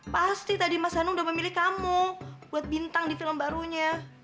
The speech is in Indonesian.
pasti tadi mas hanung udah memilih kamu buat bintang di film barunya